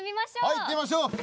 はい行ってみましょう。